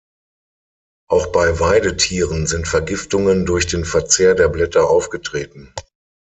Auch bei Weidetieren sind Vergiftungen durch den Verzehr der Blätter aufgetreten.